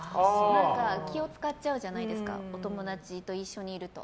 気を使っちゃうじゃないですかお友達と一緒にいると。